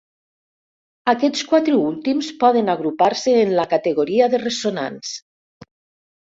Aquests quatre últims poden agrupar-se en la categoria de ressonants.